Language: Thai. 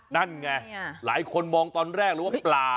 นั่นไงหลายคนมองตอนแรกเลยว่าปลา